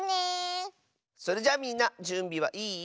それじゃみんなじゅんびはいい？